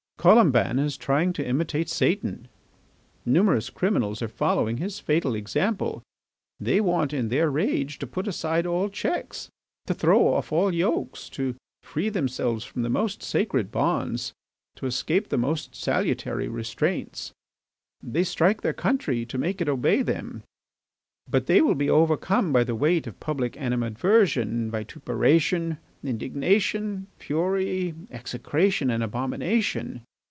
Colomban is trying to imitate Satan. Numerous criminals are following his fatal example. They want, in their rage, to put aside all checks, to throw off all yokes, to free themselves from the most sacred bonds, to escape from the most salutary restraints. They strike their country to make it obey them. But they will be overcome by the weight of public animadversion, vituperation, indignation, fury, execration, and abomination.